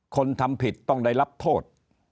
คนทำผิดต้องได้รับโทษ